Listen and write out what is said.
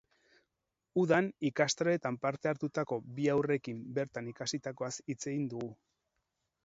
Udan, ikastaroetan parte hartutako bi haurrekin bertan ikasitakoaz hitz egin dugu.